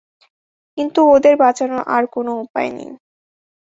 কিন্তু ওদের বাঁচানোর আর কোন উপায় নেই।